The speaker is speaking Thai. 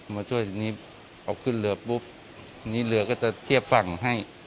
มาช่วยทีนี้เอาขึ้นเรือปุ๊บนี้เรือก็จะเทียบฝั่งให้